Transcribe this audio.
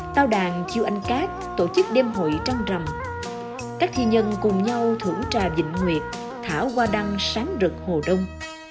tao đàn chiêu ánh cát tổ chức đêm hội trăng rằm các thiên nhân cùng nhau thưởng trà dịnh nguyệt thả hoa đăng sáng rực hồ đông